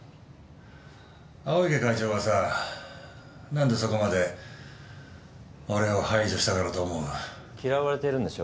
青池会長がさ何でそこまで俺を排除したがると思う？嫌われてるんでしょ？